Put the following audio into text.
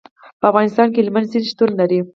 په افغانستان کې هلمند سیند شتون لري.